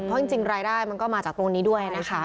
เพราะจริงรายได้มันก็มาจากตรงนี้ด้วยนะคะ